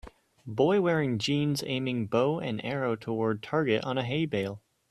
Boy wearing jeans aiming bow and arrow toward target on a hay bale